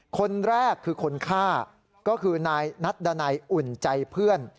คนแรกคือคนฆ่าก็คือนายนัดดันัยอุ่นใจเพื่อน